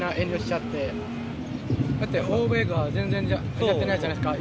だって欧米では全然やってないじゃないですか。